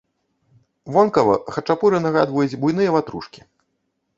Вонкава хачапуры нагадваюць буйныя ватрушкі.